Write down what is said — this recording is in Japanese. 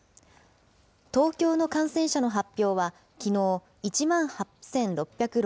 東京の感染者の発表はきのう、１万８６６０人。